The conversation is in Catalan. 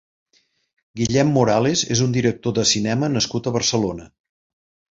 Guillem Morales és un director de cinema nascut a Barcelona.